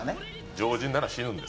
常人なら死ぬんです。